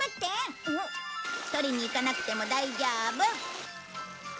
取りに行かなくても大丈夫。